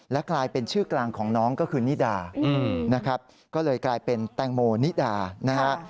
กลายเป็นชื่อกลางของน้องก็คือนิดานะครับก็เลยกลายเป็นแตงโมนิดานะฮะ